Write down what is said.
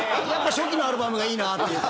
やっぱ初期のアルバムがいいなって。